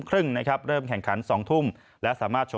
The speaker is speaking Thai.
ราคาถันเนาะ